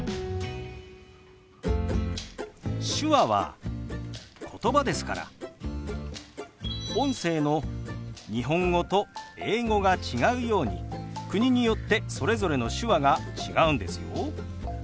手話はことばですから音声の日本語と英語が違うように国によってそれぞれの手話が違うんですよ。